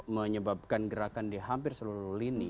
menyebabkan gerakan di hampir seluruh lini